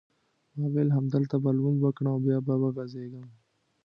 ما وېل همدلته به لمونځ وکړم او بیا به وغځېږم.